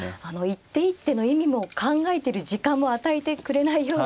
一手一手の意味も考えている時間も与えてくれないような